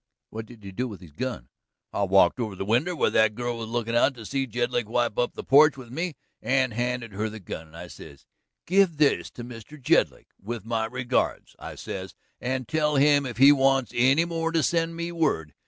"What did you do with his gun?" "I walked over to the winder where that girl was lookin' out to see Jedlick wipe up the porch with me, and I handed her the gun, and I says: 'Give this to Mr. Jedlick with my regards,' I says, 'and tell him if he wants any more to send me word.'